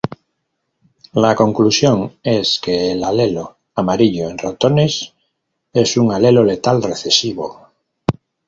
La conclusión es que el alelo amarillo en ratones es un alelo letal recesivo.